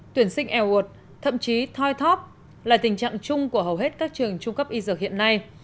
tuyển sinh eo uột thậm chí thoi thóp là tình trạng chung của hầu hết các trường trung cấp y dược hiện nay